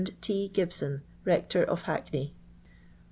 T. Gibson, rector of Hackney.